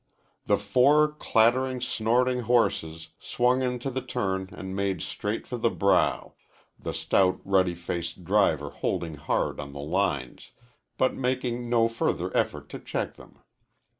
The four clattering, snorting horses swung into the turn and made straight for the brow the stout, ruddy faced driver holding hard on the lines, but making no further effort to check them.